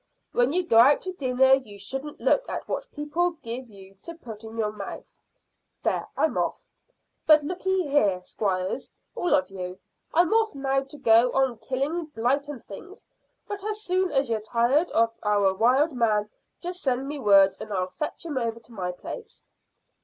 When you go out to dinner you shouldn't look at what people give you to put in your mouth. There, I'm off. But lookye here, squires, all of you. I'm off now to go on killing blight and things, but as soon as you're tired of our wild man, just send me word, and I'll fetch him over to my place."